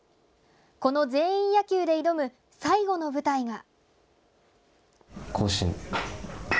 この全員野球で挑む最後の舞台が。